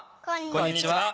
こんにちは。